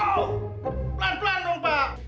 pelan pelan dong pak